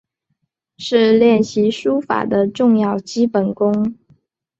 是练习书法的重要基本功。